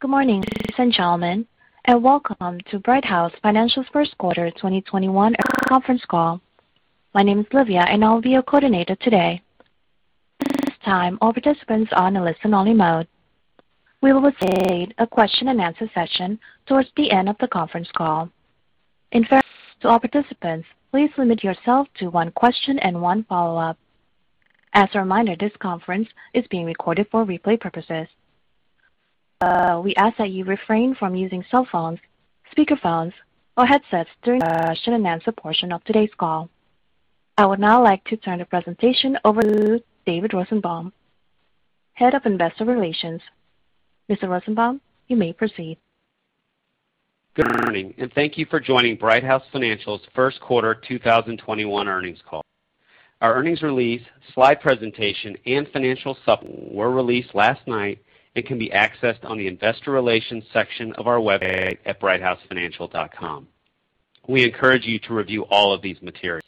Good morning, ladies and gentlemen, and welcome to Brighthouse Financial's first quarter 2021 earnings conference call. My name is Livia, and I'll be your coordinator today. At this time, all participants are on a listen-only mode. We will facilitate a question-and-answer session towards the end of the conference call. In fact, to all participants, please limit yourself to one question and one follow-up. As a reminder, this conference is being recorded for replay purposes. We ask that you refrain from using cell phones, speaker phones, or headsets during the question-and-answer portion of today's call. I would now like to turn the presentation over to David Rosenbaum, Head of Investor Relations. Mr. Rosenbaum, you may proceed. Good morning, thank you for joining Brighthouse Financial's first quarter 2021 earnings call. Our earnings release, slide presentation, and financial supplement were released last night and can be accessed on the investor relations section of our website at brighthousefinancial.com. We encourage you to review all of these materials.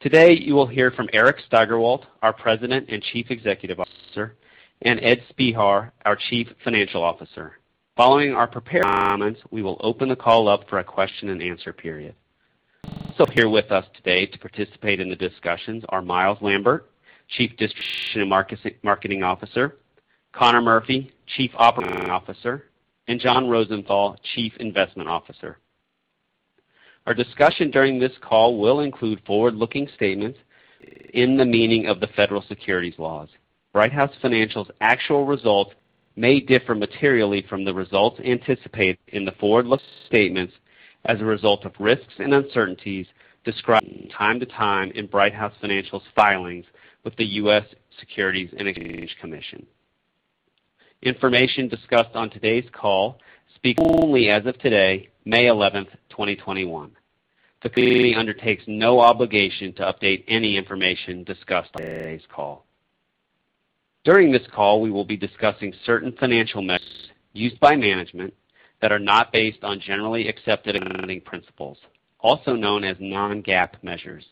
Today, you will hear from Eric Steigerwalt, our President and Chief Executive Officer, and Ed Spehar, our Chief Financial Officer. Following our prepared comments, we will open the call up for a question and answer period. Also here with us today to participate in the discussions are Myles Lambert, Chief Distribution and Marketing Officer, Conor Murphy, Chief Operating Officer, and John Rosenthal, Chief Investment Officer. Our discussion during this call will include forward-looking statements in the meaning of the federal securities laws. Brighthouse Financial's actual results may differ materially from the results anticipated in the forward-looking statements as a result of risks and uncertainties described from time-to-time in Brighthouse Financial's filings with the US Securities and Exchange Commission. Information discussed on today's call speaks only as of today, May 11th, 2021. The company undertakes no obligation to update any information discussed on today's call. During this call, we will be discussing certain financial measures used by management that are not based on generally accepted accounting principles, also known as non-GAAP measures.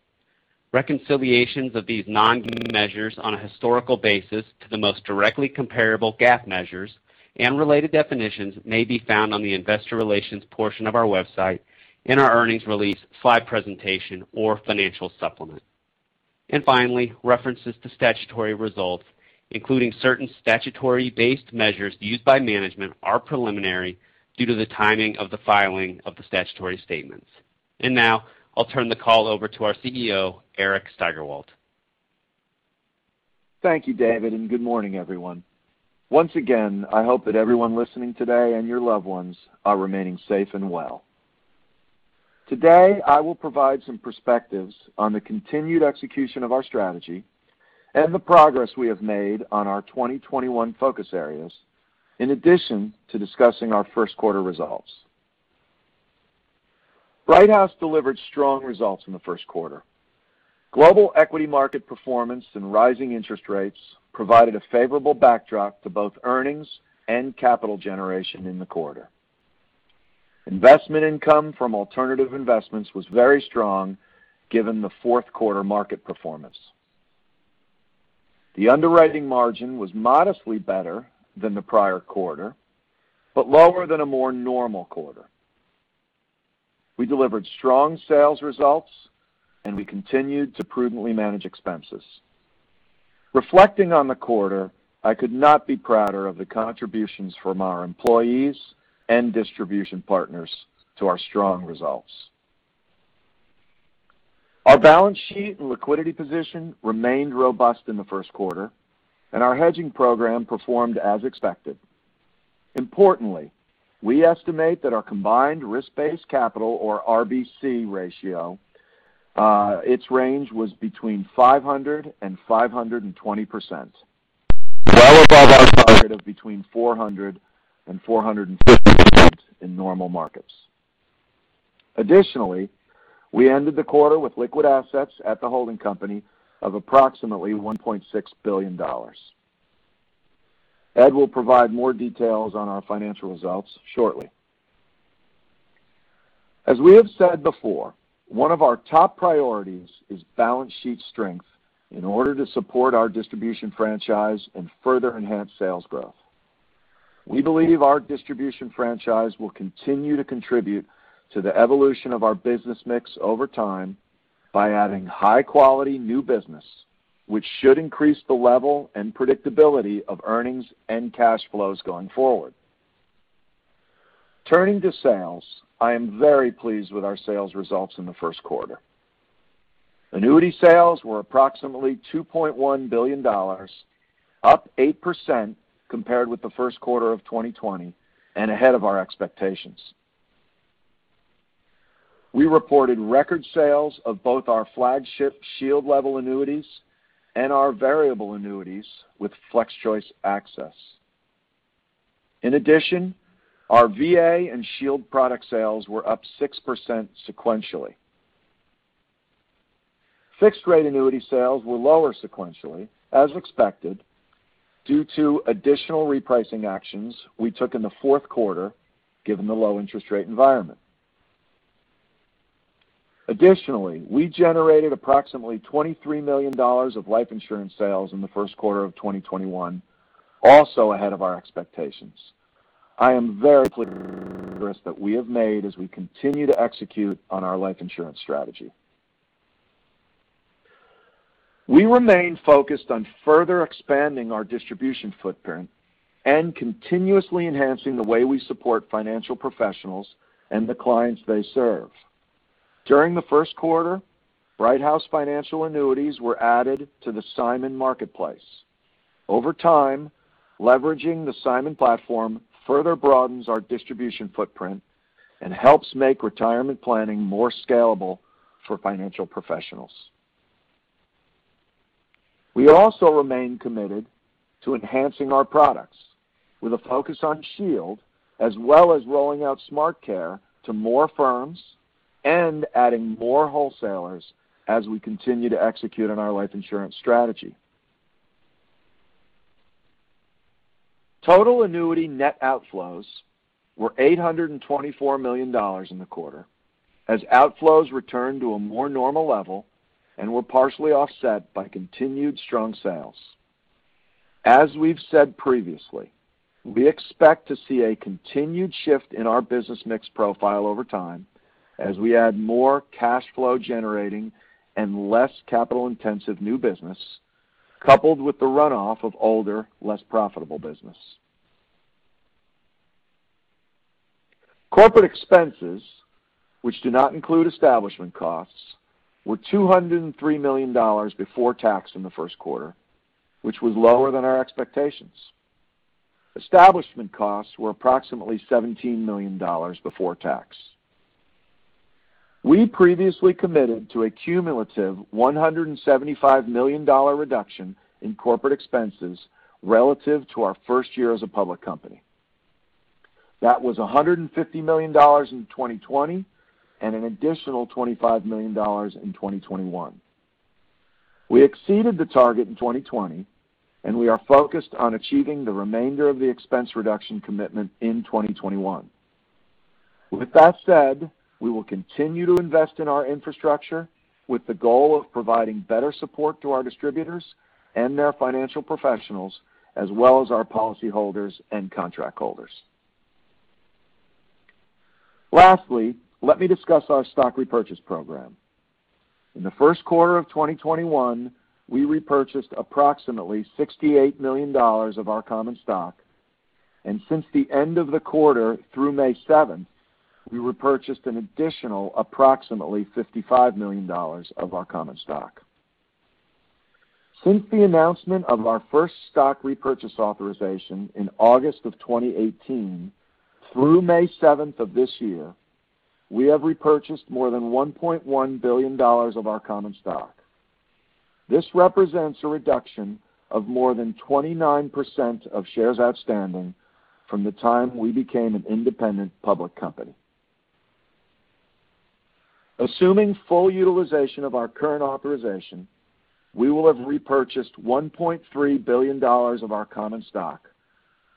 Reconciliations of these non-GAAP measures on a historical basis to the most directly comparable GAAP measures and related definitions may be found on the investor relations portion of our website in our earnings release, slide presentation, or financial supplement. Finally, references to statutory results, including certain statutory-based measures used by management, are preliminary due to the timing of the filing of the statutory statements. Now I'll turn the call over to our CEO, Eric Steigerwalt. Thank you, David, and good morning, everyone. Once again, I hope that everyone listening today and your loved ones are remaining safe and well. Today, I will provide some perspectives on the continued execution of our strategy and the progress we have made on our 2021 focus areas, in addition to discussing our first quarter results. Brighthouse delivered strong results in the first quarter. Global equity market performance and rising interest rates provided a favorable backdrop to both earnings and capital generation in the quarter. Investment income from alternative investments was very strong given the fourth quarter market performance. The underwriting margin was modestly better than the prior quarter, but lower than a more normal quarter. We delivered strong sales results, and we continued to prudently manage expenses. Reflecting on the quarter, I could not be prouder of the contributions from our employees and distribution partners to our strong results. Our balance sheet and liquidity position remained robust in the first quarter, and our hedging program performed as expected. Importantly, we estimate that our combined risk-based capital or RBC ratio, its range was between 500% and 520%, well above our target of between 400% and 450% in normal markets. Additionally, we ended the quarter with liquid assets at the holding company of approximately $1.6 billion. Ed will provide more details on our financial results shortly. As we have said before, one of our top priorities is balance sheet strength in order to support our distribution franchise and further enhance sales growth. We believe our distribution franchise will continue to contribute to the evolution of our business mix over time by adding high-quality new business, which should increase the level and predictability of earnings and cash flows going forward. Turning to sales, I am very pleased with our sales results in the first quarter. Annuity sales were approximately $2.1 billion, up 8% compared with the first quarter of 2020 and ahead of our expectations. We reported record sales of both our flagship Shield Level annuities and our variable annuities with FlexChoice Access. In addition, our VA and Shield product sales were up 6% sequentially. Fixed-rate annuity sales were lower sequentially, as expected, due to additional repricing actions we took in the fourth quarter given the low interest rate environment. Additionally, we generated approximately $23 million of life insurance sales in the first quarter of 2021, also ahead of our expectations. I am very progress that we have made as we continue to execute on our life insurance strategy. We remain focused on further expanding our distribution footprint and continuously enhancing the way we support financial professionals and the clients they serve. During the first quarter, Brighthouse Financial annuities were added to the SIMON marketplace. Over time, leveraging the SIMON platform further broadens our distribution footprint and helps make retirement planning more scalable for financial professionals. We also remain committed to enhancing our products with a focus on Shield, as well as rolling out SmartCare to more firms and adding more wholesalers as we continue to execute on our life insurance strategy. Total annuity net outflows were $824 million in the quarter, as outflows returned to a more normal level and were partially offset by continued strong sales. As we've said previously, we expect to see a continued shift in our business mix profile over time as we add more cash flow generating and less capital-intensive new business, coupled with the runoff of older, less profitable business. Corporate expenses, which do not include establishment costs, were $203 million before tax in the first quarter, which was lower than our expectations. Establishment costs were approximately $17 million before tax. We previously committed to a cumulative $175 million reduction in corporate expenses relative to our first year as a public company. That was $150 million in 2020 and an additional $25 million in 2021. We exceeded the target in 2020, and we are focused on achieving the remainder of the expense reduction commitment in 2021. With that said, we will continue to invest in our infrastructure with the goal of providing better support to our distributors and their financial professionals, as well as our policyholders and contract holders. Lastly, let me discuss our stock repurchase program. In the first quarter of 2021, we repurchased approximately $68 million of our common stock, and since the end of the quarter through May 7th, we repurchased an additional approximately $55 million of our common stock. Since the announcement of our first stock repurchase authorization in August of 2018 through May seventh of this year, we have repurchased more than $1.1 billion of our common stock. This represents a reduction of more than 29% of shares outstanding from the time we became an independent public company. Assuming full utilization of our current authorization, we will have repurchased $1.3 billion of our common stock,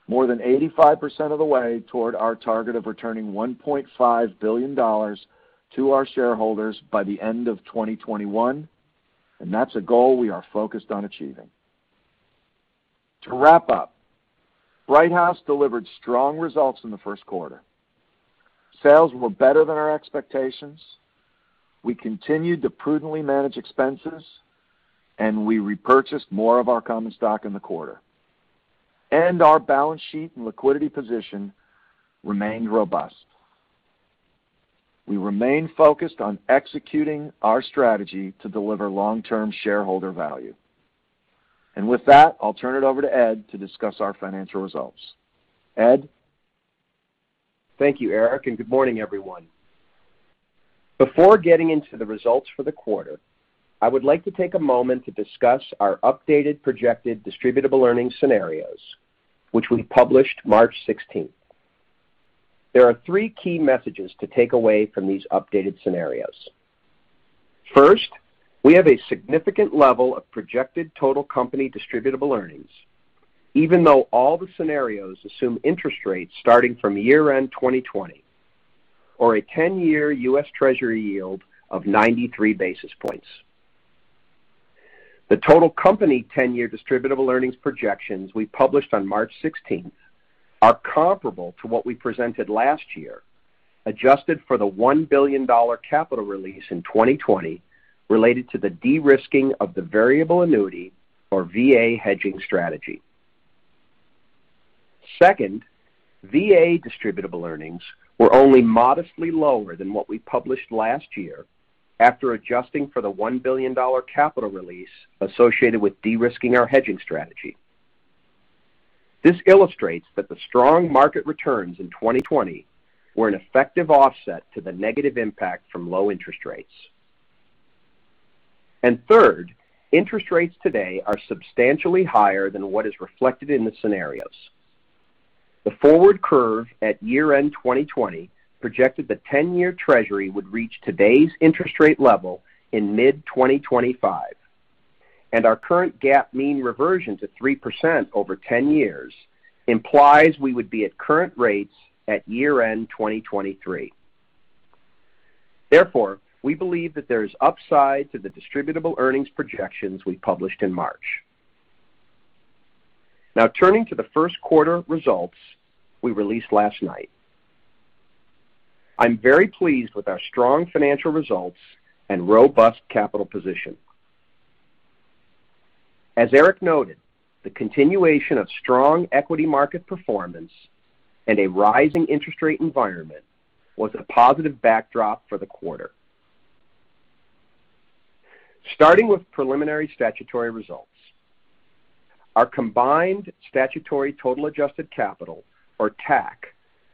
more than 85% of the way toward our target of returning $1.5 billion to our shareholders by the end of 2021, that's a goal we are focused on achieving. To wrap up, Brighthouse delivered strong results in the first quarter. Sales were better than our expectations, we continued to prudently manage expenses, and we repurchased more of our common stock in the quarter. Our balance sheet and liquidity position remained robust. We remain focused on executing our strategy to deliver long-term shareholder value. With that, I'll turn it over to Ed to discuss our financial results. Ed? Thank you, Eric, and good morning, everyone. Before getting into the results for the quarter, I would like to take a moment to discuss our updated projected distributable earnings scenarios, which we published March 16th. There are three key messages to take away from these updated scenarios. First, we have a significant level of projected total company distributable earnings, even though all the scenarios assume interest rates starting from year-end 2020, or a 10-year U.S. Treasury yield of 93 basis points. The total company 10-year distributable earnings projections we published on March 16th are comparable to what we presented last year, adjusted for the $1 billion capital release in 2020 related to the de-risking of the variable annuity, or VA, hedging strategy. Second, VA distributable earnings were only modestly lower than what we published last year after adjusting for the $1 billion capital release associated with de-risking our hedging strategy. This illustrates that the strong market returns in 2020 were an effective offset to the negative impact from low interest rates. Third, interest rates today are substantially higher than what is reflected in the scenarios. The forward curve at year-end 2020 projected the 10-year Treasury would reach today's interest rate level in mid-2025. Our current GAAP mean reversion to 3% over 10 years implies we would be at current rates at year-end 2023. Therefore, we believe that there is upside to the distributable earnings projections we published in March. Now, turning to the first quarter results we released last night. I'm very pleased with our strong financial results and robust capital position. As Eric noted, the continuation of strong equity market performance and a rising interest rate environment was a positive backdrop for the quarter. Starting with preliminary statutory results, our combined statutory total adjusted capital, or TAC,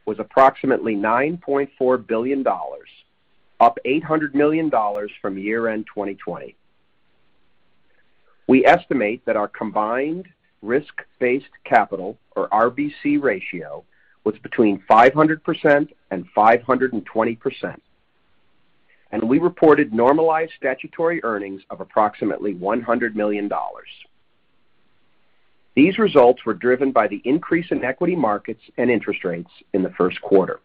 was approximately $9.4 billion, up $800 million from year-end 2020. We estimate that our combined risk-based capital, or RBC ratio, was between 500% and 520%. We reported normalized statutory earnings of approximately $100 million. These results were driven by the increase in equity markets and interest rates in the first quarter.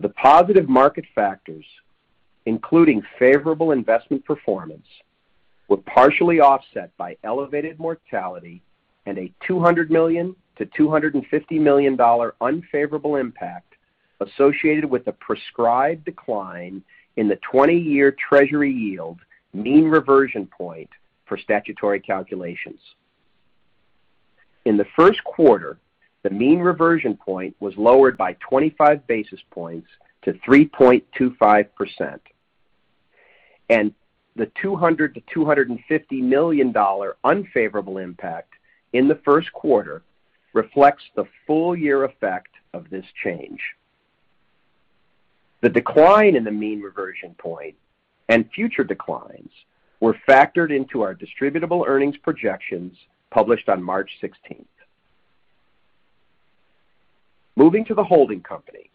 The positive market factors, including favorable investment performance, were partially offset by elevated mortality and a $200 million-$250 million unfavorable impact associated with the prescribed decline in the 20-year Treasury yield mean reversion point for statutory calculations. In the first quarter, the mean reversion point was lowered by 25 basis points to 3.25%, and the $200 million-$250 million unfavorable impact in the first quarter reflects the full year effect of this change. The decline in the mean reversion point and future declines were factored into our distributable earnings projections published on March 16th. Moving to the holding company,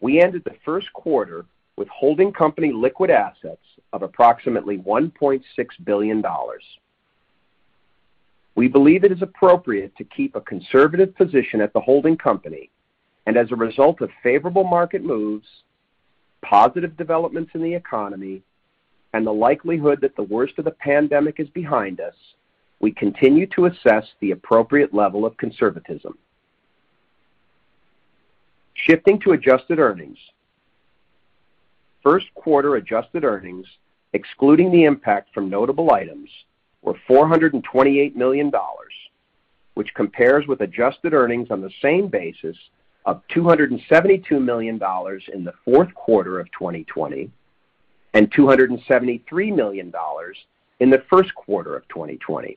we ended the first quarter with holding company liquid assets of approximately $1.6 billion. We believe it is appropriate to keep a conservative position at the holding company, and as a result of favorable market moves, positive developments in the economy, and the likelihood that the worst of the pandemic is behind us, we continue to assess the appropriate level of conservatism. Shifting to adjusted earnings. First quarter adjusted earnings, excluding the impact from notable items, were $428 million, which compares with adjusted earnings on the same basis of $272 million in the fourth quarter of 2020 and $273 million in the first quarter of 2020.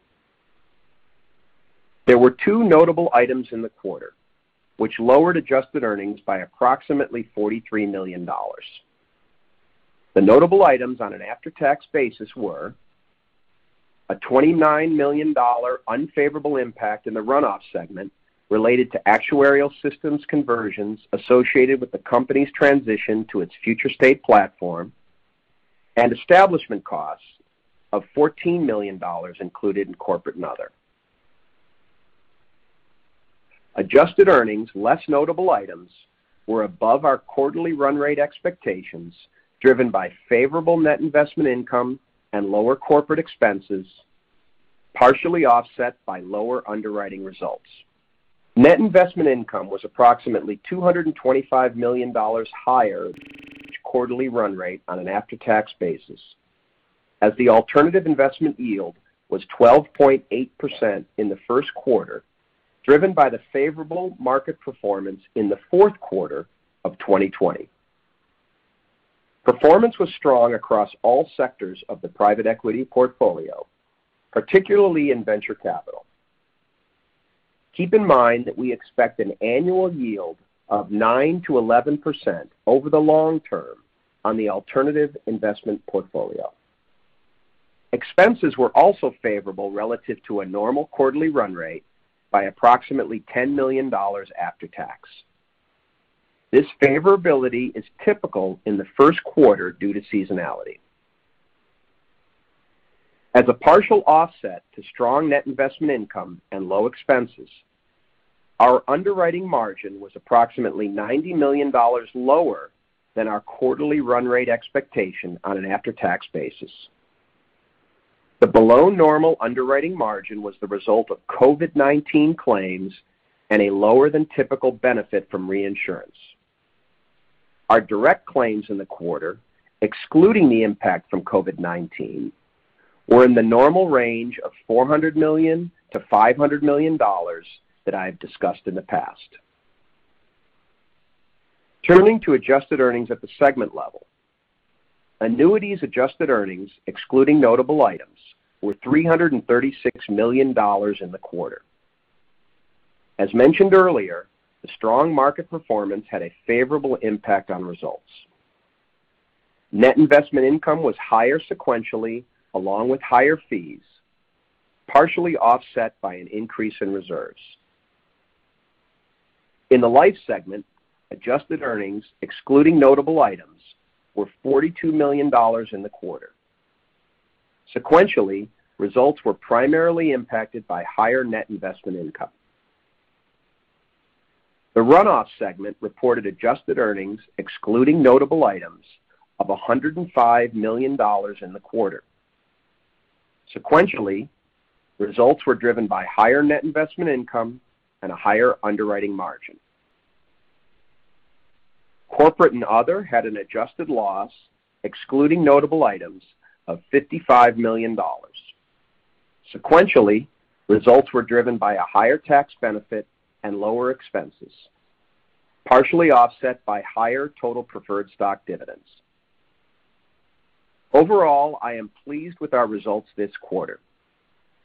There were two notable items in the quarter which lowered adjusted earnings by approximately $43 million. The notable items on an after-tax basis were a $29 million unfavorable impact in the Run-off segment related to actuarial systems conversions associated with the company's transition to its future state platform, and establishment costs of $14 million included in Corporate and Other. Adjusted earnings, less notable items, were above our quarterly run rate expectations, driven by favorable net investment income and lower corporate expenses, partially offset by lower underwriting results. Net investment income was approximately $225 million higher quarterly run rate on an after-tax basis, as the alternative investment yield was 12.8% in the first quarter, driven by the favorable market performance in the fourth quarter of 2020. Performance was strong across all sectors of the private equity portfolio, particularly in venture capital. Keep in mind that we expect an annual yield of 9%-11% over the long term on the alternative investment portfolio. Expenses were also favorable relative to a normal quarterly run rate by approximately $10 million after tax. This favorability is typical in the first quarter due to seasonality. A partial offset to strong net investment income and low expenses, our underwriting margin was approximately $90 million lower than our quarterly run rate expectation on an after-tax basis. The below normal underwriting margin was the result of COVID-19 claims and a lower than typical benefit from reinsurance. Our direct claims in the quarter, excluding the impact from COVID-19, were in the normal range of $400 million-$500 million that I have discussed in the past. Turning to adjusted earnings at the segment level. Annuities adjusted earnings, excluding notable items, were $336 million in the quarter. As mentioned earlier, the strong market performance had a favorable impact on results. Net investment income was higher sequentially, along with higher fees, partially offset by an increase in reserves. In the Life Segment, adjusted earnings, excluding notable items, were $42 million in the quarter. Sequentially, results were primarily impacted by higher net investment income. The Run-off Segment reported adjusted earnings, excluding notable items, of $105 million in the quarter. Sequentially, results were driven by higher net investment income and a higher underwriting margin. Corporate and Other had an adjusted loss, excluding notable items, of $55 million. Sequentially, results were driven by a higher tax benefit and lower expenses, partially offset by higher total preferred stock dividends. Overall, I am pleased with our results this quarter.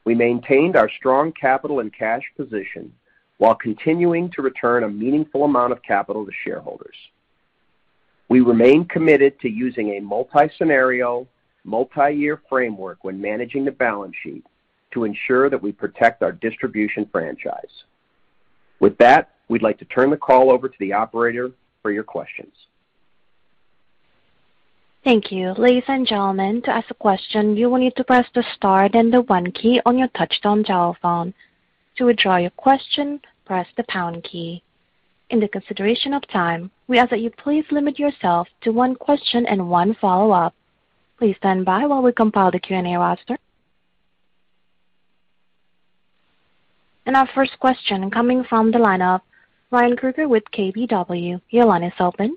We maintained our strong capital and cash position while continuing to return a meaningful amount of capital to shareholders. We remain committed to using a multi-scenario, multi-year framework when managing the balance sheet to ensure that we protect our distribution franchise. With that, we'd like to turn the call over to the operator for your questions. Thank you. Ladies and gentlemen, to ask a question, you will need to press the star then the one key on your touchtone telephone. To withdraw your question, press the pound key. In the consideration of time, we ask that you please limit yourself to one question and one follow-up. Please stand by while we compile the Q&A roster. Our first question coming from the lineup, Ryan Krueger with KBW. Your line is open.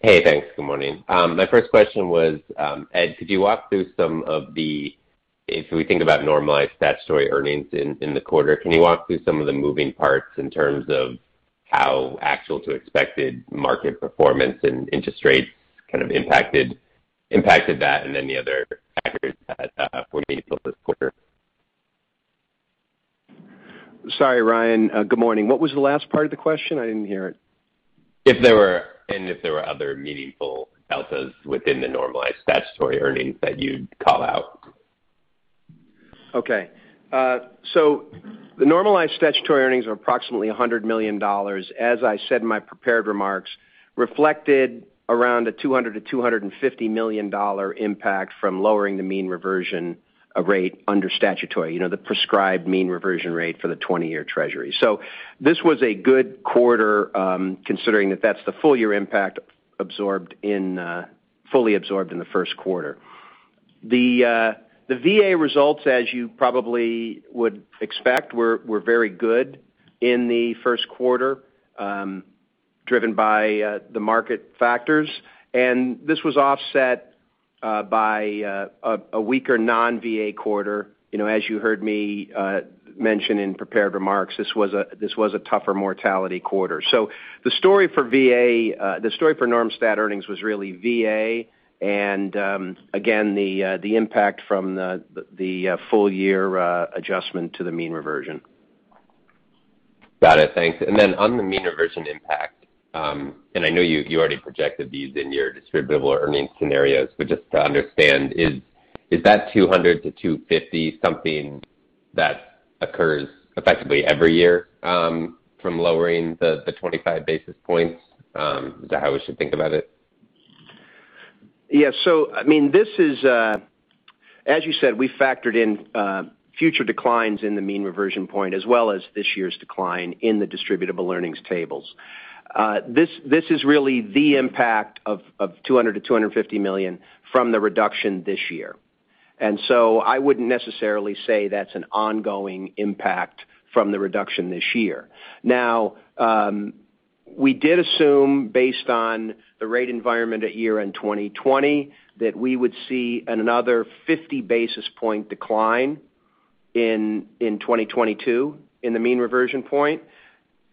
Hey, thanks. Good morning. My first question was, Ed, if we think about normalized statutory earnings in the quarter, can you walk through some of the moving parts in terms of how actual to expected market performance and interest rates kind of impacted that, and any other factors that were meaningful this quarter? Sorry, Ryan. Good morning. What was the last part of the question? I didn't hear it. If there were any other meaningful deltas within the normalized statutory earnings that you'd call out. Okay. The normalized statutory earnings are approximately $100 million. As I said in my prepared remarks, reflected around a $200 million-$250 million impact from lowering the mean reversion rate under statutory, the prescribed mean reversion rate for the 20-year Treasury. This was a good quarter, considering that that's the full-year impact fully absorbed in the first quarter. The VA results, as you probably would expect, were very good in the first quarter, driven by the market factors. This was offset by a weaker non-VA quarter. As you heard me mention in prepared remarks, this was a tougher mortality quarter. The story for normalized statutory earnings was really VA and, again, the impact from the full year adjustment to the mean reversion. Got it. Thanks. On the mean reversion impact, and I know you already projected these in your distributable earnings scenarios, but just to understand, is that 200-250 something that occurs effectively every year from lowering the 25 basis points? Is that how we should think about it? Yeah. As you said, we factored in future declines in the mean reversion point as well as this year's decline in the distributable earnings tables. This is really the impact of $200 million-$250 million from the reduction this year. I wouldn't necessarily say that's an ongoing impact from the reduction this year. Now, we did assume, based on the rate environment at year-end 2020, that we would see another 50 basis point decline in 2022 in the mean reversion point.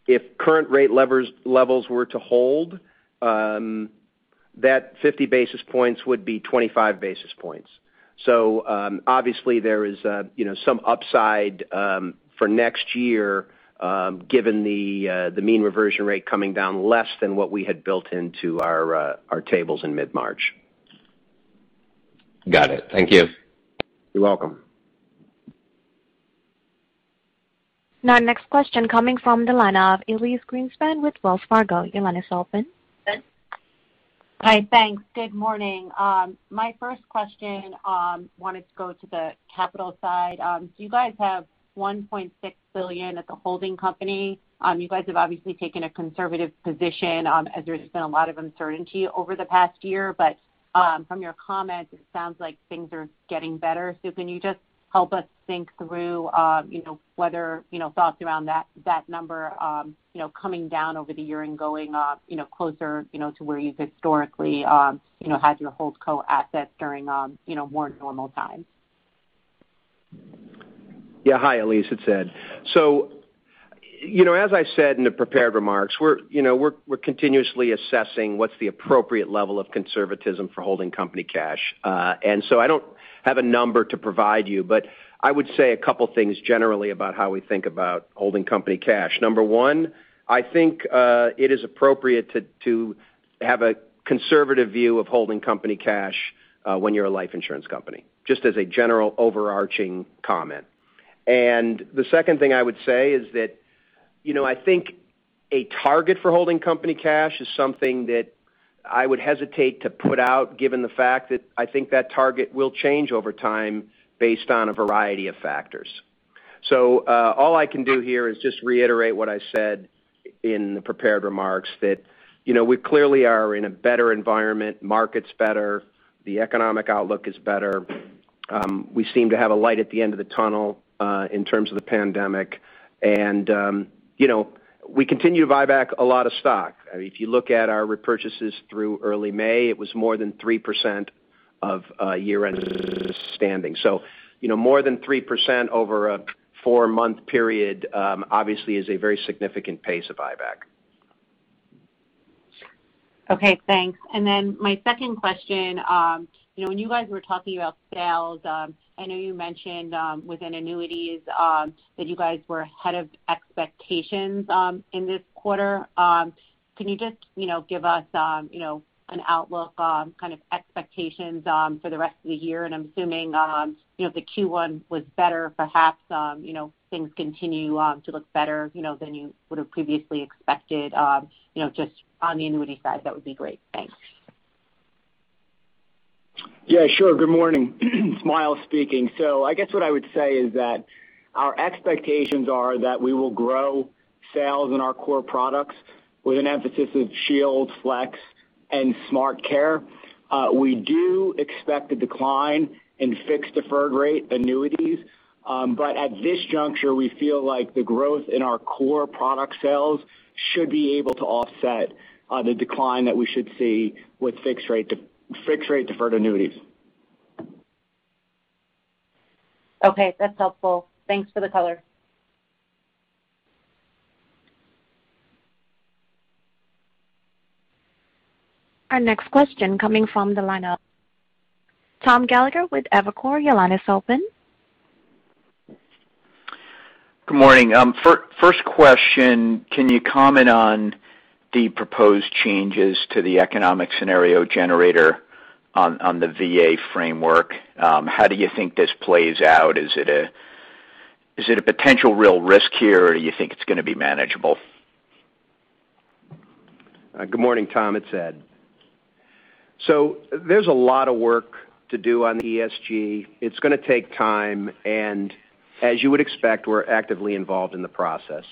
If current rate levels were to hold, that 50 basis points would be 25 basis points. Obviously there is some upside for next year given the mean reversion rate coming down less than what we had built into our tables in mid-March. Got it. Thank you. You're welcome. Next question coming from the line of Elyse Greenspan with Wells Fargo. Your line is open. Hi, thanks. Good morning. My first question, wanted to go to the capital side. You guys have $1.6 billion at the holding company. You guys have obviously taken a conservative position as there's been a lot of uncertainty over the past year, but from your comments, it sounds like things are getting better. Can you just help us think through thoughts around that number coming down over the year and going closer to where you've historically had your holdco assets during more normal times? Yeah. Hi, Elyse, it's Ed. As I said in the prepared remarks, we're continuously assessing what's the appropriate level of conservatism for holding company cash. I don't have a number to provide you, but I would say a couple things generally about how we think about holding company cash. Number one, I think it is appropriate to have a conservative view of holding company cash When you're a life insurance company, just as a general overarching comment. The second thing I would say is that, I think a target for holding company cash is something that I would hesitate to put out, given the fact that I think that target will change over time based on a variety of factors. All I can do here is just reiterate what I said in the prepared remarks that we clearly are in a better environment, market's better, the economic outlook is better. We seem to have a light at the end of the tunnel in terms of the pandemic. We continue to buy back a lot of stock. If you look at our repurchases through early May, it was more than 3% of year-end standing. More than 3% over a four-month period, obviously is a very significant pace of buyback. Okay, thanks. My second question, when you guys were talking about sales, I know you mentioned within annuities that you guys were ahead of expectations in this quarter. Can you just give us an outlook kind of expectations for the rest of the year? I'm assuming, the Q1 was better, perhaps things continue to look better than you would've previously expected, just on the annuity side, that would be great. Thanks. Yeah, sure. Good morning. Myles speaking. I guess what I would say is that our expectations are that we will grow sales in our core products with an emphasis of Shield, Flex and SmartCare. We do expect a decline in fixed deferred rate annuities. At this juncture, we feel like the growth in our core product sales should be able to offset the decline that we should see with fixed rate deferred annuities. Okay. That's helpful. Thanks for the color. Our next question coming from the line of Tom Gallagher with Evercore. Your line is open. Good morning. First question, can you comment on the proposed changes to the economic scenario generator on the VA framework? How do you think this plays out? Is it a potential real risk here, or you think it's going to be manageable? Good morning, Tom. It's Ed. There's a lot of work to do on the ESG. It's going to take time, and as you would expect, we're actively involved in the process.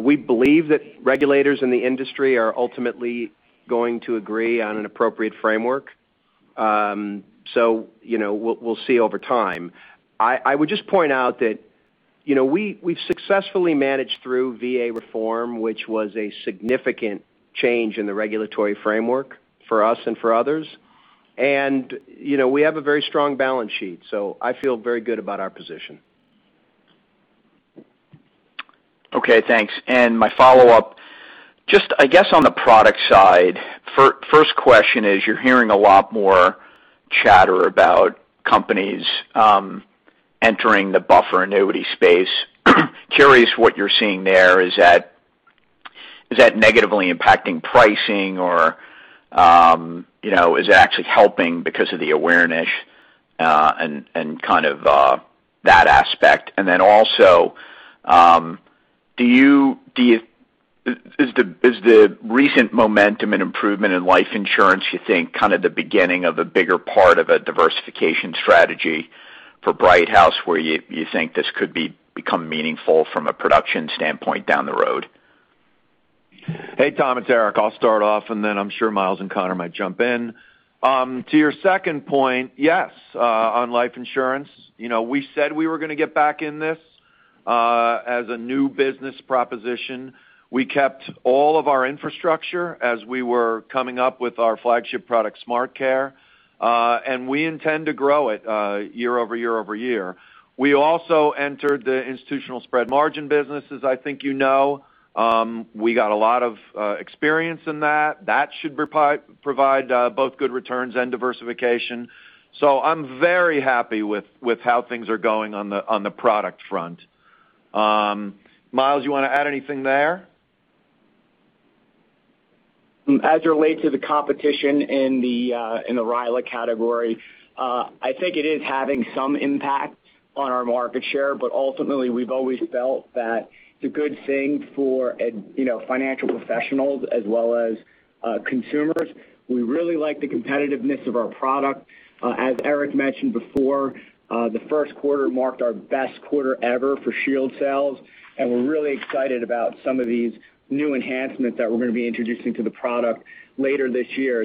We believe that regulators in the industry are ultimately going to agree on an appropriate framework. We'll see over time. I would just point out that we've successfully managed through VA reform, which was a significant change in the regulatory framework for us and for others. We have a very strong balance sheet, so I feel very good about our position. Okay, thanks. My follow-up, just I guess on the product side, first question is you're hearing a lot more chatter about companies entering the buffer annuity space. Curious what you're seeing there. Is that negatively impacting pricing or is it actually helping because of the awareness, and kind of that aspect. Then also, is the recent momentum and improvement in life insurance you think kind of the beginning of a bigger part of a diversification strategy for Brighthouse where you think this could become meaningful from a production standpoint down the road? Hey, Tom, it's Eric. I'll start off, and then I'm sure Myles and Conor might jump in. To your second point, yes, on life insurance, we said we were going to get back in this, as a new business proposition. We kept all of our infrastructure as we were coming up with our flagship product, SmartCare. We intend to grow it year-over-year-over-year. We also entered the institutional spread margin business, as I think you know. We got a lot of experience in that. That should provide both good returns and diversification. I'm very happy with how things are going on the product front. Myles, you want to add anything there? As it relates to the competition in the RILA category, I think it is having some impact on our market share, but ultimately, we've always felt that it's a good thing for financial professionals as well as consumers. We really like the competitiveness of our product. As Eric mentioned before, the first quarter marked our best quarter ever for Shield sales, and we're really excited about some of these new enhancements that we're going to be introducing to the product later this year.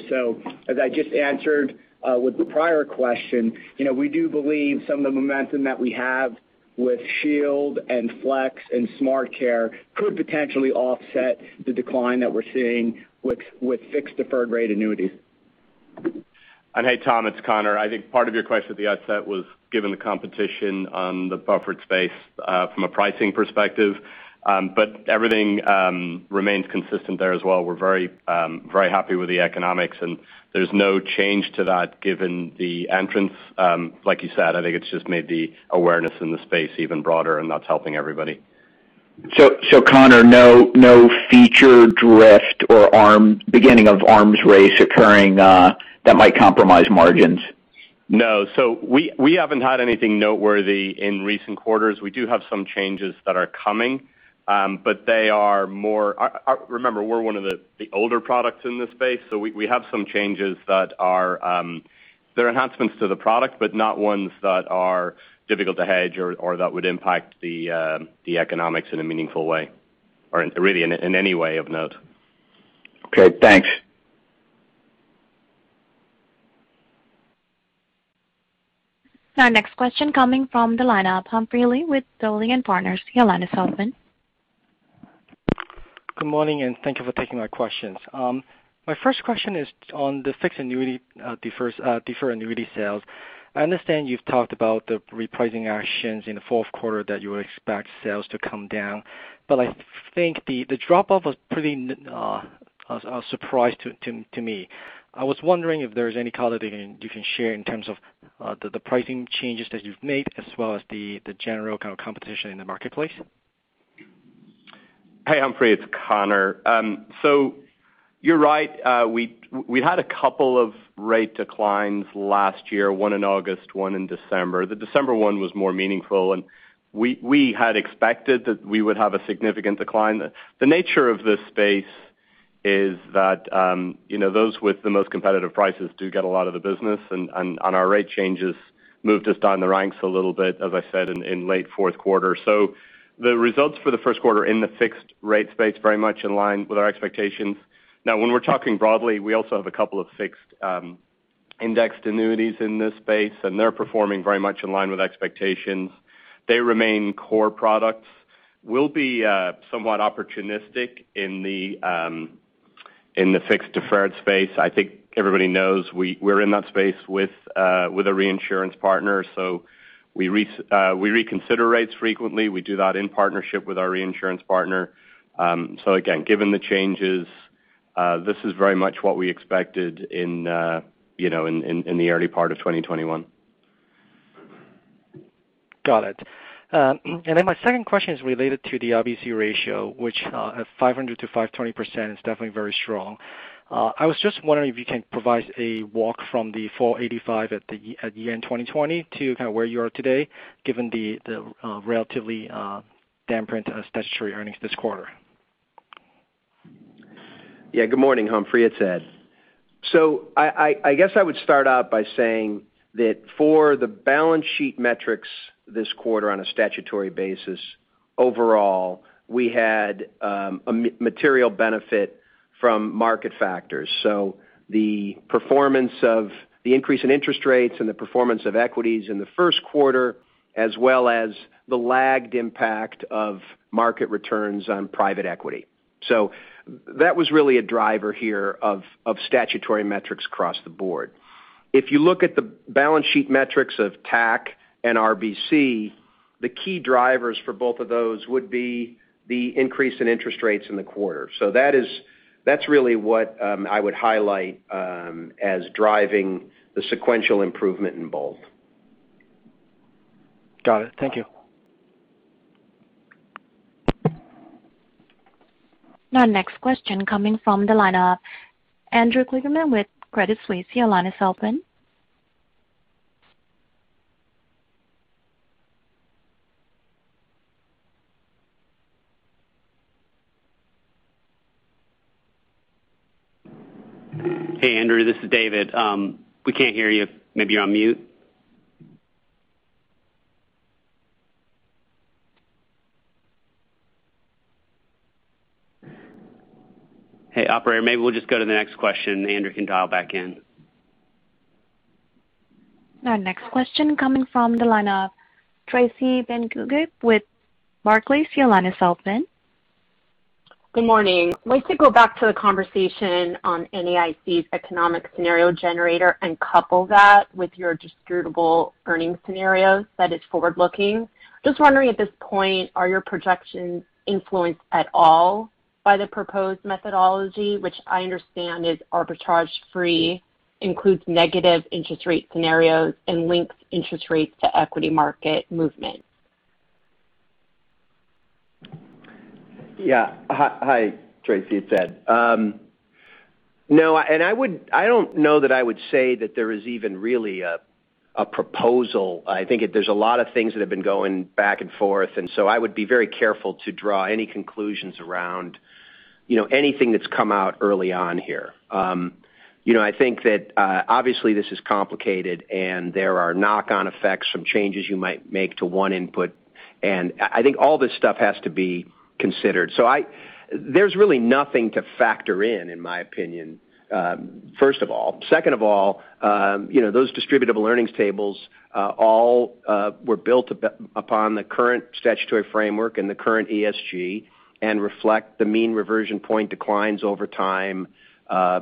As I just answered with the prior question, we do believe some of the momentum that we have with Shield and Flex and SmartCare could potentially offset the decline that we're seeing with fixed deferred rate annuities. Hey, Tom, it's Conor. I think part of your question at the outset was given the competition on the buffered space from a pricing perspective. Everything remains consistent there as well. We're very happy with the economics, and there's no change to that given the entrance. Like you said, I think it's just made the awareness in the space even broader, and that's helping everybody. Conor, no feature drift or beginning of arms race occurring that might compromise margins? No. We haven't had anything noteworthy in recent quarters. We do have some changes that are coming. Remember, we're one of the older products in this space. We have some changes that are enhancements to the product, but not ones that are difficult to hedge or that would impact the economics in a meaningful way or really in any way of note. Okay, thanks. Our next question coming from the line of Humphrey Lee with Dowling & Partners. Your line is open. Good morning, and thank thank you for taking my questions. My first question is on the fixed annuity deferred annuity sales. I understand you've talked about the repricing actions in the fourth quarter that you expect sales to come down, I think the drop-off was pretty surprising to me. I was wondering if there's any color that you can share in terms of the pricing changes that you've made as well as the general kind of competition in the marketplace. Hey, Humphrey, it's Conor. You're right, we had a couple of rate declines last year, one in August, one in December. The December one was more meaningful, we had expected that we would have a significant decline. The nature of this space is that those with the most competitive prices do get a lot of the business, our rate changes moved us down the ranks a little bit, as I said, in late fourth quarter. The results for the first quarter in the fixed rate space were very much in line with our expectations. When we're talking broadly, we also have a couple of fixed indexed annuities in this space, they're performing very much in line with expectations. They remain core products. We'll be somewhat opportunistic in the fixed deferred space. I think everybody knows we're in that space with a reinsurance partner, so we reconsider rates frequently. We do that in partnership with our reinsurance partner. Again, given the changes, this is very much what we expected in the early part of 2021. Got it. My second question is related to the RBC ratio, which at 500%-520% is definitely very strong. I was just wondering if you can provide a walk from the 485 at year-end 2020 to kind of where you are today, given the relatively dim print statutory earnings this quarter. Good morning, Humphrey. It's Ed. I guess I would start out by saying that for the balance sheet metrics this quarter on a statutory basis, overall, we had a material benefit from market factors. The increase in interest rates and the performance of equities in the first quarter, as well as the lagged impact of market returns on private equity. That was really a driver here of statutory metrics across the board. If you look at the balance sheet metrics of TAC and RBC, the key drivers for both of those would be the increase in interest rates in the quarter. That's really what I would highlight as driving the sequential improvement in both. Got it. Thank you. Our next question coming from the line of Andrew Kligerman with Credit Suisse. Your line is open. Hey, Andrew, this is David. We can't hear you. Maybe you're on mute. Hey, operator, maybe we'll just go to the next question. Andrew can dial back in. Our next question coming from the line of Tracy Benguigui with Barclays. Your line is open. Good morning. I'd like to go back to the conversation on NAIC's economic scenario generator and couple that with your distributable earnings scenarios that is forward-looking. Just wondering at this point, are your projections influenced at all by the proposed methodology, which I understand is arbitrage-free, includes negative interest rate scenarios, and links interest rates to equity market movements? Yeah. Hi, Tracy. It's Ed. No, I don't know that I would say that there is even really a proposal. I think there's a lot of things that have been going back and forth, I would be very careful to draw any conclusions around anything that's come out early on here. I think that obviously this is complicated, there are knock-on effects from changes you might make to one input, and I think all this stuff has to be considered. There's really nothing to factor in my opinion, first of all. Second of all, those distributable earnings tables all were built upon the current statutory framework and the current ESG and reflect the mean reversion point declines over time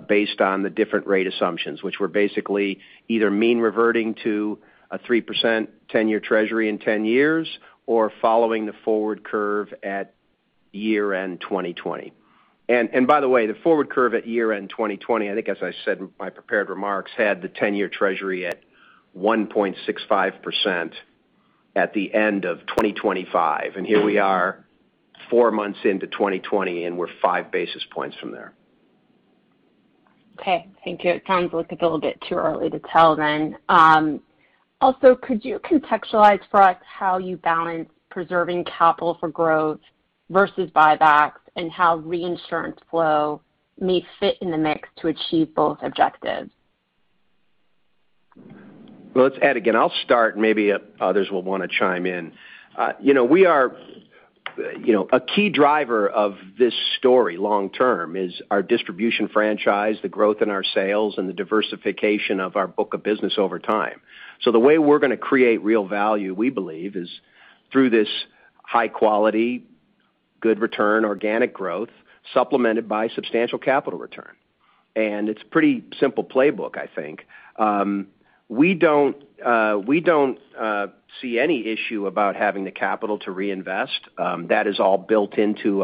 based on the different rate assumptions, which were basically either mean reverting to a 3% 10-year Treasury in 10 years or following the forward curve at year-end 2020. By the way, the forward curve at year-end 2020, I think as I said in my prepared remarks, had the 10-year Treasury at 1.65% at the end of 2025. Here we are, four months into 2020, and we're 5 basis points from there. Okay. Thank you. It sounds like it's a little bit too early to tell then. Also, could you contextualize for us how you balance preserving capital for growth versus buybacks, and how reinsurance flow may fit in the mix to achieve both objectives? Well, let's add again. I'll start, maybe others will want to chime in. A key driver of this story long term is our distribution franchise, the growth in our sales, and the diversification of our book of business over time. The way we're going to create real value, we believe, is through this high quality, good return, organic growth, supplemented by substantial capital return. It's pretty simple playbook, I think. We don't see any issue about having the capital to reinvest. That is all built into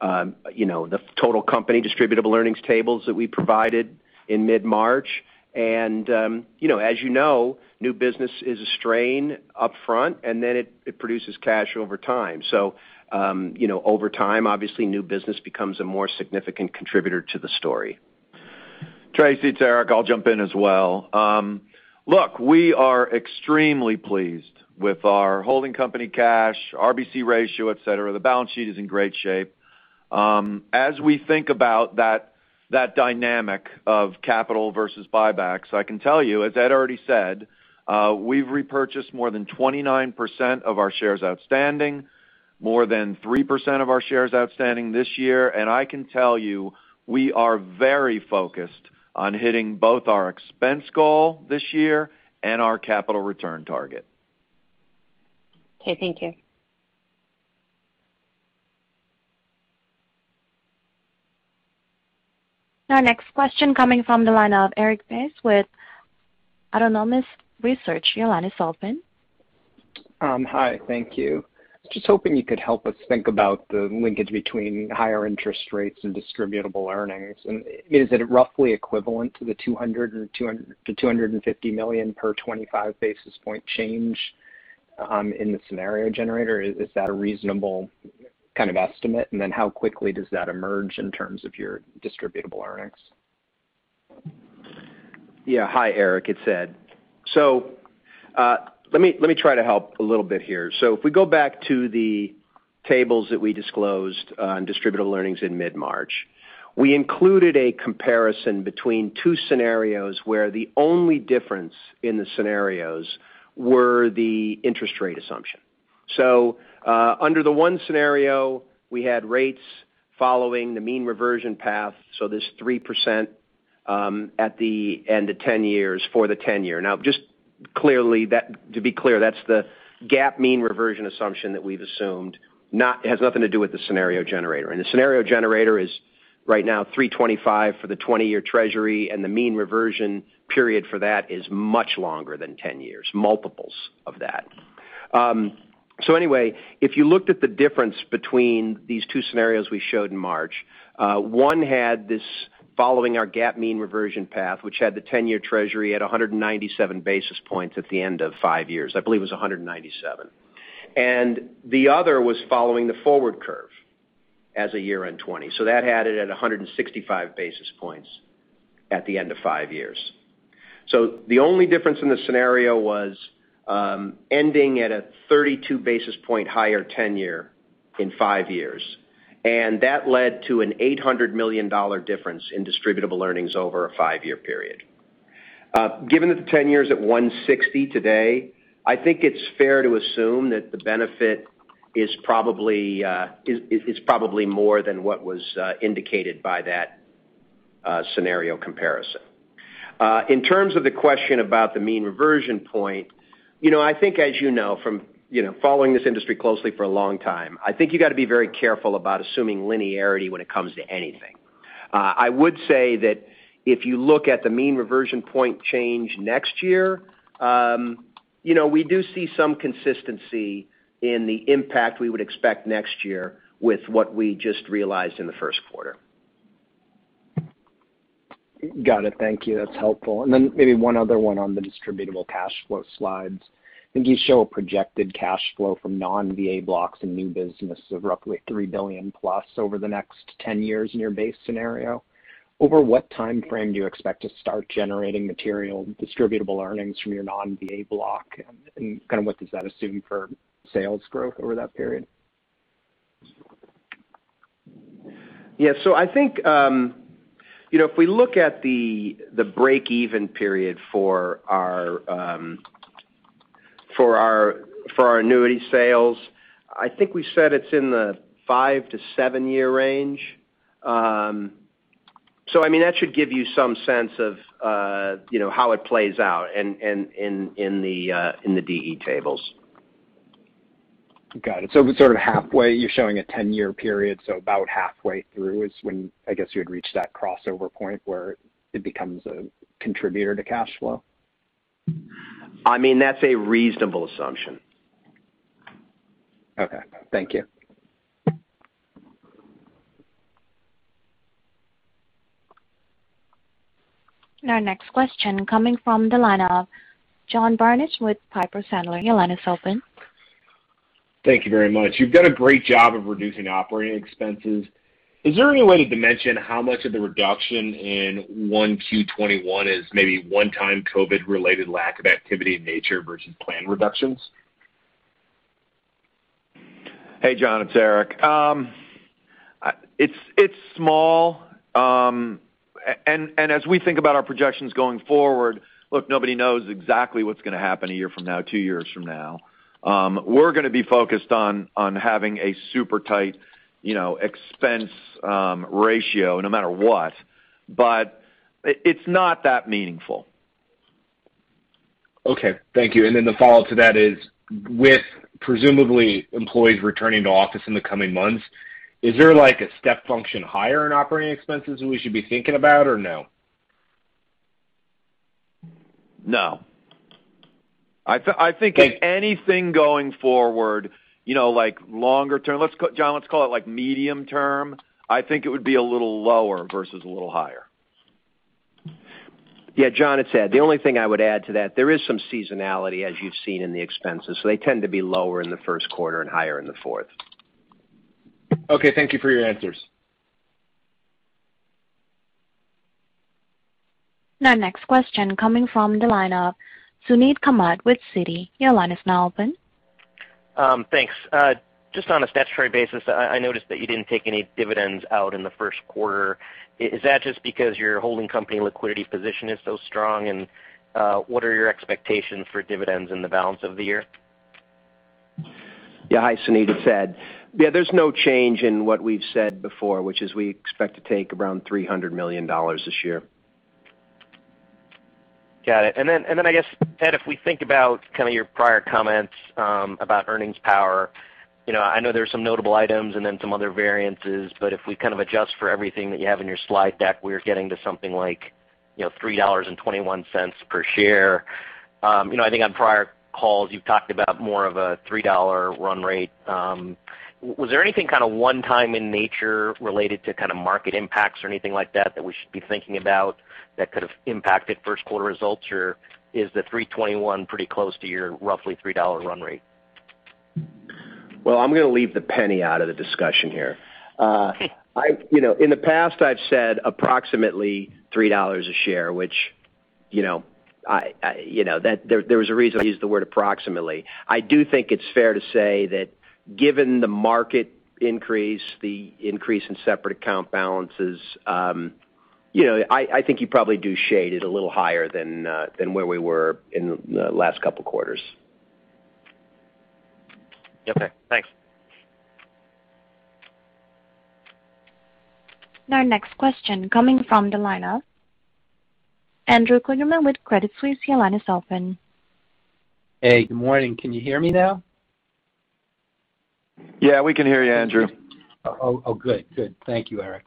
the total company distributable earnings tables that we provided in mid-March. As you know, new business is a strain up front, and then it produces cash over time. Over time, obviously new business becomes a more significant contributor to the story. Tracy, it's Eric. I'll jump in as well. Look, we are extremely pleased with our holding company cash, RBC ratio, et cetera. The balance sheet is in great shape. As we think about that dynamic of capital versus buybacks, I can tell you, as Ed already said, we've repurchased more than 29% of our shares outstanding, more than 3% of our shares outstanding this year, and I can tell you, we are very focused on hitting both our expense goal this year and our capital return target. Okay, thank you. Our next question coming from the line of Erik Bass with Autonomous Research. Your line is open. Hi, thank you. Just hoping you could help us think about the linkage between higher interest rates and distributable earnings. Is it roughly equivalent to the $200 million or to $250 million per 25 basis point change in the scenario generator? Is that a reasonable kind of estimate? How quickly does that emerge in terms of your distributable earnings? Hi, Erik. It's Ed. Let me try to help a little bit here. If we go back to the tables that we disclosed on distributable earnings in mid-March, we included a comparison between two scenarios where the only difference in the scenarios were the interest rate assumption. Under the one scenario, we had rates following the mean reversion path, this 3% at the end of 10 years for the 10-year. To be clear, that's the GAAP mean reversion assumption that we've assumed. It has nothing to do with the scenario generator. The scenario generator is right now 3.25% for the 20-year Treasury, the mean reversion period for that is much longer than 10 years, multiples of that. Anyway, if you looked at the difference between these two scenarios we showed in March, one had this following our GAAP mean reversion path, which had the 10-year treasury at 197 basis points at the end of five years. I believe it was 197. The other was following the forward curve as of year-end 2020. That had it at 165 basis points at the end of five years. The only difference in the scenario was ending at a 32 basis point higher 10-year in five years. That led to an $800 million difference in distributable earnings over a five-year period. Given that the 10-year's at 160 today, I think it's fair to assume that the benefit is probably more than what was indicated by that scenario comparison. In terms of the question about the mean reversion point, I think as you know from following this industry closely for a long time, I think you got to be very careful about assuming linearity when it comes to anything. I would say that if you look at the mean reversion point change next year, we do see some consistency in the impact we would expect next year with what we just realized in the first quarter. Got it. Thank you. That's helpful. Maybe one other one on the distributable cash flow slides. I think you show a projected cash flow from non-VA blocks and new business of roughly $3 billion-plus over the next 10 years in your base scenario. Over what timeframe do you expect to start generating material distributable earnings from your non-VA block, and kind of what does that assume for sales growth over that period? I think if we look at the break-even period for our annuity sales, I think we said it's in the five to seven-year range. I mean, that should give you some sense of how it plays out in the DE tables. Got it. If it's sort of halfway, you're showing a 10-year period, so about halfway through is when, I guess, you would reach that crossover point where it becomes a contributor to cash flow? I mean, that's a reasonable assumption. Okay. Thank you. Our next question coming from the line of John Barnidge with Piper Sandler. Your line is open. Thank you very much. You've done a great job of reducing operating expenses. Is there any way to dimension how much of the reduction in 1Q21 is maybe one time COVID related lack of activity in nature versus plan reductions? Hey, John, it's Eric. It's small. As we think about our projections going forward, look, nobody knows exactly what's going to happen a year from now, two years from now. We're going to be focused on having a super tight expense ratio no matter what, but it's not that meaningful. Okay. Thank you. The follow-up to that is, with presumably employees returning to office in the coming months, is there like a step function higher in operating expenses that we should be thinking about or no? No. I think anything going forward, like longer term, John, let's call it like medium term, I think it would be a little lower versus a little higher. Yeah, John, it's Ed. The only thing I would add to that, there is some seasonality as you've seen in the expenses. They tend to be lower in the first quarter and higher in the fourth. Okay. Thank you for your answers. Our next question coming from the line of Suneet Kamath with Citi. Your line is now open. Thanks. Just on a statutory basis, I noticed that you didn't take any dividends out in the first quarter. Is that just because your holding company liquidity position is so strong? What are your expectations for dividends in the balance of the year? Yeah. Hi, Suneet, it's Ed. Yeah, there's no change in what we've said before, which is we expect to take around $300 million this year. Got it. Then, I guess, Ed, if we think about kind of your prior comments, about earnings power, I know there's some notable items and then some other variances, but if we kind of adjust for everything that you have in your slide deck, we're getting to something like, $3.21 per share. I think on prior calls you've talked about more of a $3 run rate. Was there anything kind of one-time in nature related to kind of market impacts or anything like that we should be thinking about that could have impacted first quarter results? Or is the $3.21 pretty close to your roughly $3 run rate? Well, I'm going to leave the penny out of the discussion here. In the past I've said approximately $3 a share, which there was a reason I used the word approximately. I do think it's fair to say that given the market increase, the increase in separate account balances, I think you probably do shade it a little higher than where we were in the last couple of quarters. Okay, thanks. Our next question coming from the line of Andrew Kligerman with Credit Suisse. Your line is open. Hey, good morning. Can you hear me now? Yeah, we can hear you, Andrew. Oh, good. Thank you, Eric.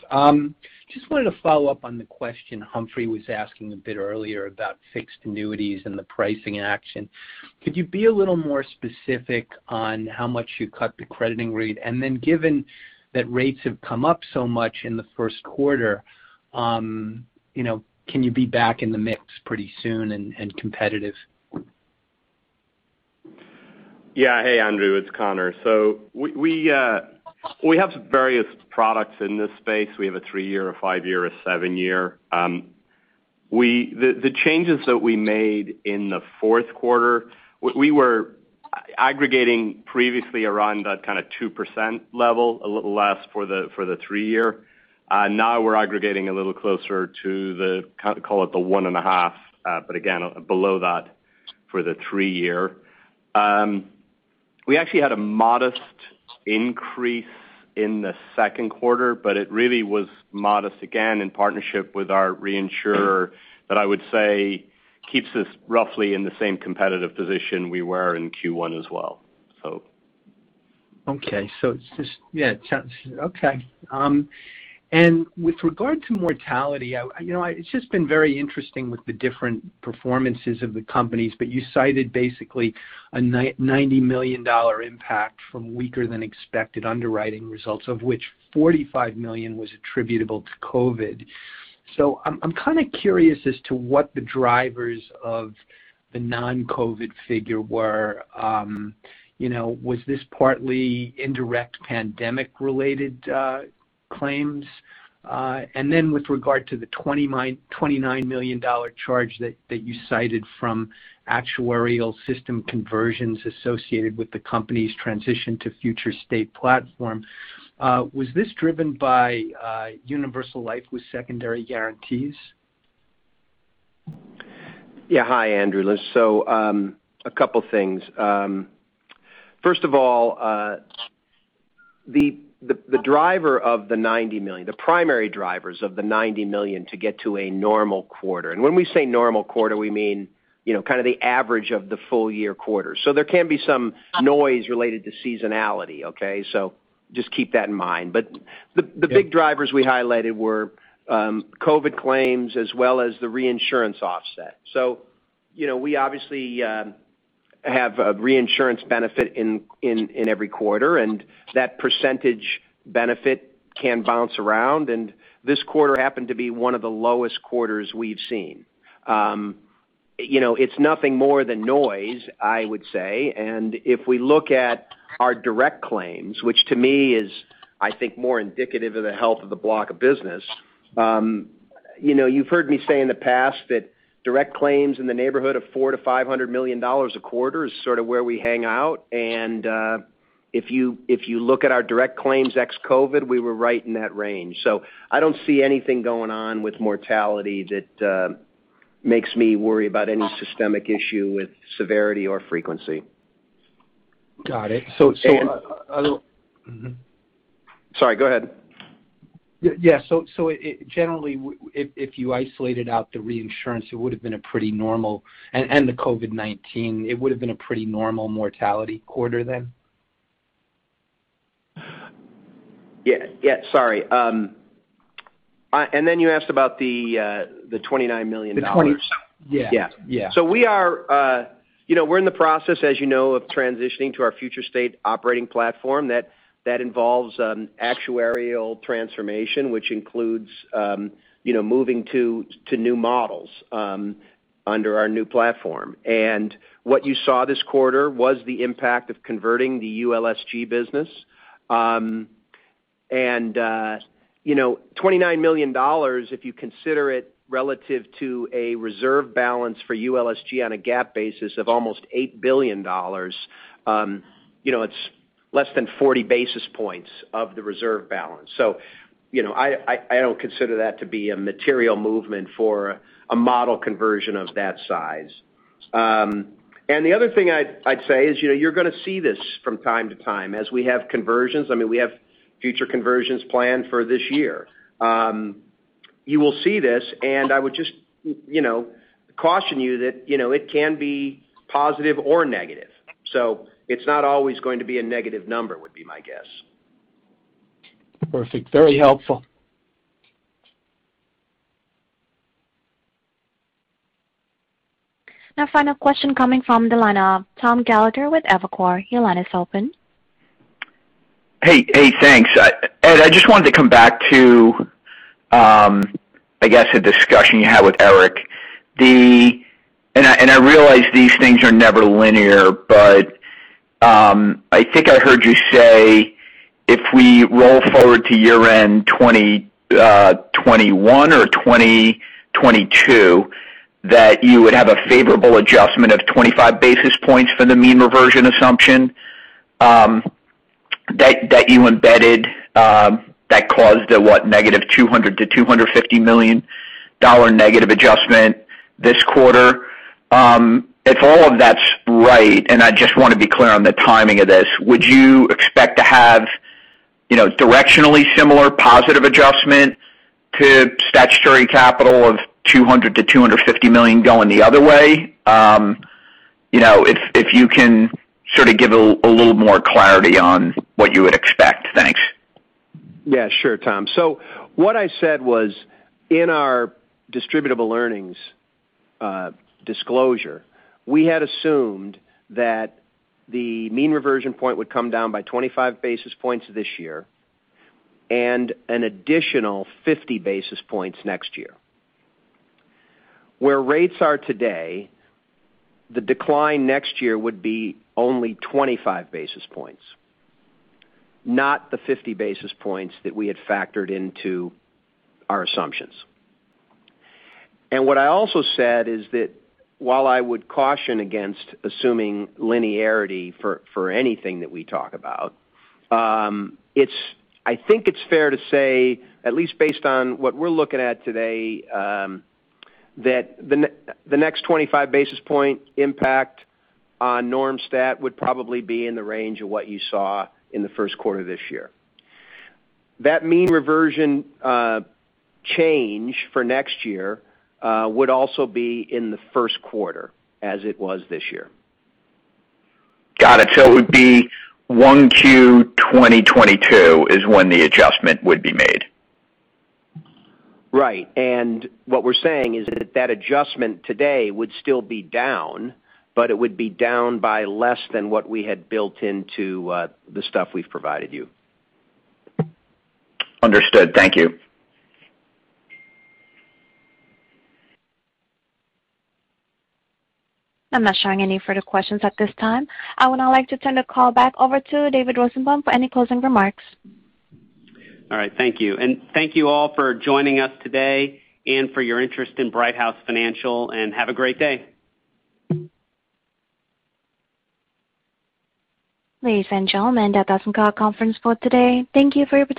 Just wanted to follow up on the question Humphrey was asking a bit earlier about fixed annuities and the pricing action. Could you be a little more specific on how much you cut the crediting rate? Given that rates have come up so much in the first quarter, can you be back in the mix pretty soon and competitive? Yeah. Hey, Andrew, it's Conor. We have various products in this space. We have a three-year, a five-year, a seven-year. The changes that we made in the fourth quarter, we were aggregating previously around that kind of 2% level, a little less for the three year. Now we're aggregating a little closer to the, call it the 1.5%, but again, below that for the three year. We actually had a modest increase in the second quarter, but it really was modest again in partnership with our reinsurer that I would say keeps us roughly in the same competitive position we were in Q1 as well. Okay. With regard to mortality, it's just been very interesting with the different performances of the companies. You cited basically a $90 million impact from weaker than expected underwriting results, of which $45 million was attributable to COVID. I'm kind of curious as to what the drivers of the non-COVID figure were. Was this partly indirect pandemic related claims? With regard to the $29 million charge that you cited from actuarial system conversions associated with the company's transition to future state platform, was this driven by universal life with secondary guarantees? Yeah. Hi, Andrew. A couple things. First of all, the primary drivers of the $90 million to get to a normal quarter, and when we say normal quarter, we mean kind of the average of the full year quarter. There can be some noise related to seasonality, okay. Just keep that in mind. The big drivers we highlighted were COVID claims as well as the reinsurance offset. We obviously have a reinsurance benefit in every quarter, and that percentage benefit can bounce around, and this quarter happened to be one of the lowest quarters we've seen. It's nothing more than noise, I would say. If we look at our direct claims, which to me is, I think, more indicative of the health of the block of business. You've heard me say in the past that direct claims in the neighborhood of $400 million-$500 million a quarter is sort of where we hang out. If you look at our direct claims ex-COVID, we were right in that range. I don't see anything going on with mortality that makes me worry about any systemic issue with severity or frequency. Got it. Sorry, go ahead. Generally, if you isolated out the reinsurance, it would've been a pretty normal, and the COVID-19, it would've been a pretty normal mortality quarter then? Yeah. Sorry. Then you asked about the $29 million. The 20. Yeah. Yeah. Yeah. We're in the process, as you know, of transitioning to our future state operating platform that involves actuarial transformation, which includes moving to new models under our new platform. What you saw this quarter was the impact of converting the ULSLG business. $29 million, if you consider it relative to a reserve balance for USLG on a GAAP basis of almost $8 billion, it's less than 40 basis points of the reserve balance. I don't consider that to be a material movement for a model conversion of that size. The other thing I'd say is you're going to see this from time to time as we have conversions. I mean, we have future conversions planned for this year. You will see this, and I would just caution you that it can be positive or negative. It's not always going to be a negative number, would be my guess. Perfect. Very helpful. Final question coming from the line of Tom Gallagher with Evercore. Your line is open. Hey, thanks. Ed, I just wanted to come back to, I guess, a discussion you had with Eric. I realize these things are never linear, but I think I heard you say if we roll forward to year-end 2021 or 2022, that you would have a favorable adjustment of 25 basis points for the mean reversion assumption that you embedded that caused a what? -$200 million-$250 million negative adjustment this quarter. If all of that's right, and I just want to be clear on the timing of this, would you expect to have directionally similar positive adjustment to statutory capital of $200 million-$250 million going the other way? If you can sort of give a little more clarity on what you would expect. Thanks. Yeah, sure, Tom. What I said was, in our distributable earnings disclosure, we had assumed that the mean reversion point would come down by 25 basis points this year and an additional 50 basis points next year. Where rates are today, the decline next year would be only 25 basis points, not the 50 basis points that we had factored into our assumptions. What I also said is that while I would caution against assuming linearity for anything that we talk about, I think it's fair to say, at least based on what we're looking at today, that the next 25 basis point impact on normalized statutory would probably be in the range of what you saw in the first quarter of this year. That mean reversion change for next year would also be in the first quarter, as it was this year. Got it. It would be 1Q 2022 is when the adjustment would be made. Right. What we're saying is that that adjustment today would still be down, but it would be down by less than what we had built into the stuff we've provided you. Understood. Thank you. I'm not showing any further questions at this time. I would now like to turn the call back over to David Rosenbaum for any closing remarks. All right. Thank you. Thank you all for joining us today and for your interest in Brighthouse Financial, and have a great day. Ladies and gentlemen, that does conclude our conference call today. Thank you.